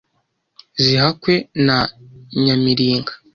Zihakwe na Nyamiringa